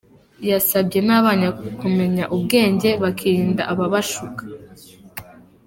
Yasabye n’abana kumenya ubwenge bakirinda ababashuka.